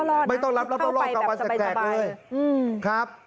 เข้าไปแบบสะแพงเลย